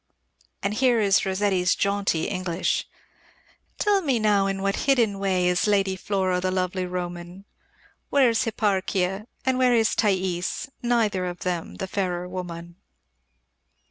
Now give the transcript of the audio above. And here is Rossetti's jaunty English: Tell me now in what hidden way is Lady Flora, the lovely Roman? Where's Hipparchia, and where is Thaïs, Neither of them the fairer woman?